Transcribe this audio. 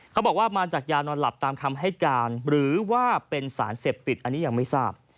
เขาบอกว่ามาจากยานอนหลับตามคำให้การหรือว่าเป็นสารเสพติดอันนี้ยังไม่ทราบ